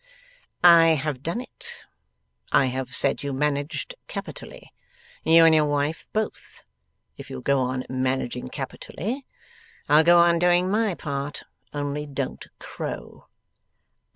'I have done it. I have said you managed capitally. You and your wife both. If you'll go on managing capitally, I'll go on doing my part. Only don't crow.